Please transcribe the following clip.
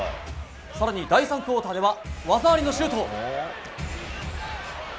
更に第３クオーターでは技ありのシュート。